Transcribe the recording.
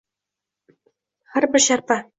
Har bir sharpa